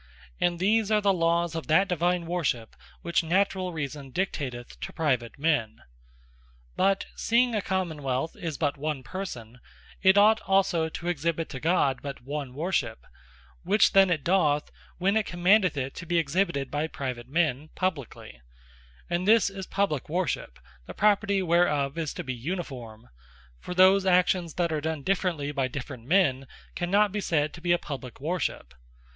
And these are the Lawes of that Divine Worship, which naturall Reason dictateth to private men. Publique Worship Consisteth In Uniformity But seeing a Common wealth is but one Person, it ought also to exhibite to God but one Worship; which then it doth, when it commandeth it to be exhibited by Private men, Publiquely. And this is Publique Worship; the property whereof, is to be Uniforme: For those actions that are done differently, by different men, cannot be said to be a Publique Worship.